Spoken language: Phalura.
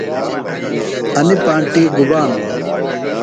انیۡ پانٹیۡ گُبا نو؟